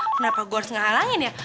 kenapa gue harus menghalangi dia